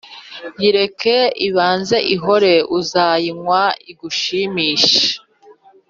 yireke ibanze ihore, uzayinywa igushimishe!